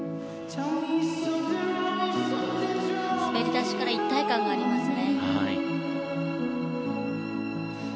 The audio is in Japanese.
滑り出しから一体感がありますね。